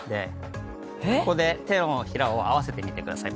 ここで手のひらを合わせてみてください。